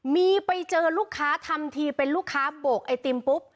มีไปเจอลูกค้าทำทีเป็นลูกค้าโบกไอติมปุ๊บ